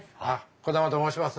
兒玉と申します。